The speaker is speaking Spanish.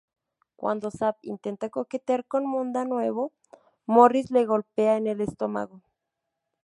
Cuando Zapp intenta coquetear con Munda nuevo, Morris le golpea en el estómago.